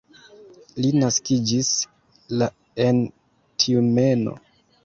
Li naskiĝis la en Tjumeno.